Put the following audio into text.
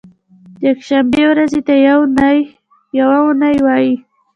یکشنبې ورځې ته یو نۍ وایی